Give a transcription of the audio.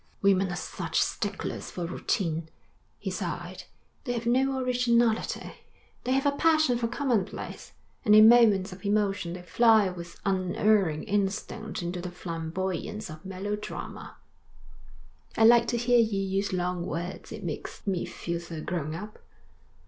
'Women are such sticklers for routine,' he sighed. 'They have no originality. They have a passion for commonplace, and in moments of emotion they fly with unerring instinct into the flamboyance of melodrama.' 'I like to hear you use long words. It makes me feel so grown up.'